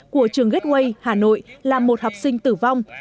của trường gateway hà nội làm một học sinh tử vong